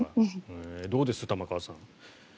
どうです、玉川さん。